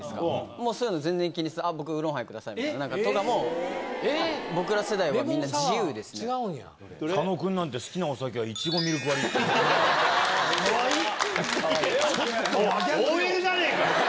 もうそういうの全然気にせず、ああ僕、ウーロンハイくださいとかも、なんか、僕ら世代はみんな自由で佐野君なんて、好きなお酒はイチゴミルク割りって。